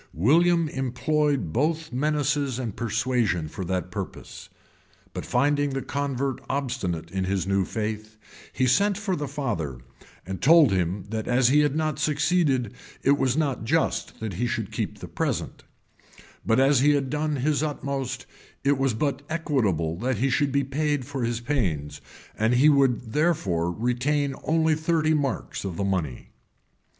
William employed both menaces and persuasion for that purpose; but finding the convert obstinate in his new faith, he sent for the father, and told him that as he had not succeeded, it was not just that he should keep the present; but as he had done his utmost, it was but equitable that he should be paid for his pains; and he would therefore retain only thirty marks of the money.